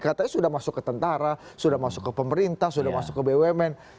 katanya sudah masuk ke tentara sudah masuk ke pemerintah sudah masuk ke bumn